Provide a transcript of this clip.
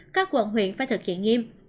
các quận huyện phải thực hiện nghiêm